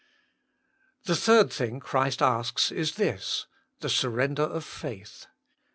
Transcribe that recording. The third thing Christ asks is this, the surrender of faith.